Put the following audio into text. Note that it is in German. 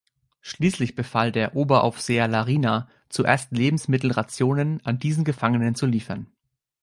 Schließlich befahl der Oberaufseher Larina, zuerst Lebensmittelrationen an diesen Gefangenen zu liefern.